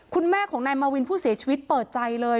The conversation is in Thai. คุณแม่ของนายมาวินผู้เสียชีวิตเปิดใจเลย